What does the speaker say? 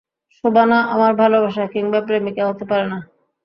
শোবানা আমার ভালোবাসা কিংবা প্রেমিকা হতে পারে না।